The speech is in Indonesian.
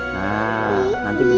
nah nanti begini